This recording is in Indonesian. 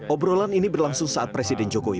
obrolan ini berlangsung saat presiden jokowi